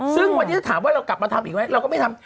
ซึ่งวันนี้ถ้าถามว่าเรากลับมาทำอีกไหมเราก็ไม่ทำ